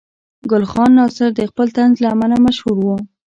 ګل خان ناصر د خپل طنز له امله مشهور و.